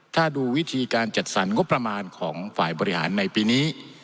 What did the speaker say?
ถ้าดูวิธีการจัดสรรงบประมาณของฝ่ายบริหารในปีนี้